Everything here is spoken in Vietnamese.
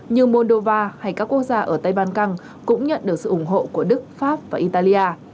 như moldova hay các quốc gia ở tây ban căng cũng nhận được sự ủng hộ của đức pháp và italia